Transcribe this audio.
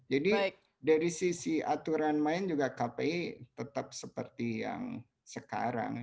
jadi dari sisi aturan lain juga kpi tetap seperti yang sekarang